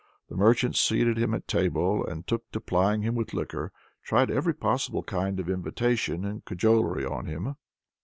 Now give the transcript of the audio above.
The merchant seated him at table and took to plying him with liquor tried every possible kind of invitation and cajolery on him.